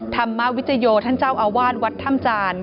ธรรมวิจโยท่านเจ้าอาวาสวัดถ้ำจาน